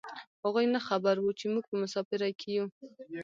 هغوی نه خبر و چې موږ په مسافرۍ کې یو.